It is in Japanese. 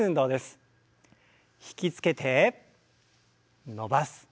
引き付けて伸ばす。